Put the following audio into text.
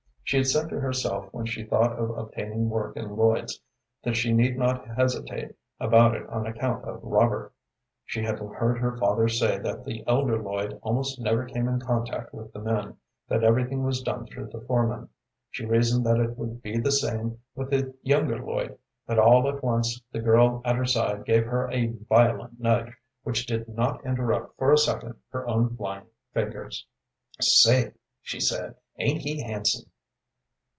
She had said to herself when she thought of obtaining work in Lloyd's that she need not hesitate about it on account of Robert. She had heard her father say that the elder Lloyd almost never came in contact with the men, that everything was done through the foremen. She reasoned that it would be the same with the younger Lloyd. But all at once the girl at her side gave her a violent nudge, which did not interrupt for a second her own flying fingers. "Say," she said, "ain't he handsome?"